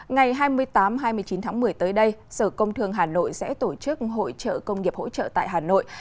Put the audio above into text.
ngày hai mươi tám hai mươi chín tháng một mươi tới đây sở công thương hà nội sẽ tổ chức hội trợ công nghiệp hỗ trợ tại hà nội